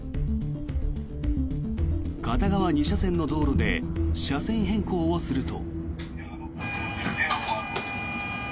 片側２車線の道路で車線変更をすると。